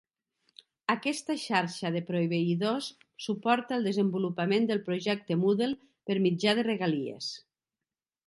Aquesta xarxa de proveïdors suporta el desenvolupament del projecte Moodle per mitjà de regalies.